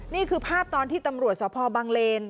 นี่คือภาพตอนที่ตำรวจสพบังเลน